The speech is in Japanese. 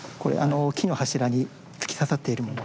木の柱に突き刺さっているもの。